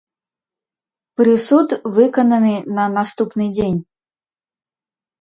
Прысуд выкананы на наступны дзень.